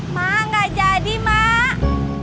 mak nggak jadi mak